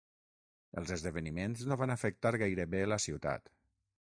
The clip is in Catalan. Els esdeveniments no van afectar gairebé la ciutat.